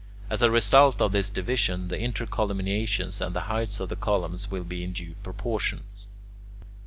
As a result of this division, the intercolumniations and the heights of the columns will be in due proportion.